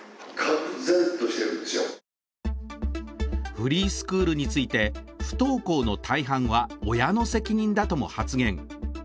フリースクールについて不登校の大半は親の責任だとも発言。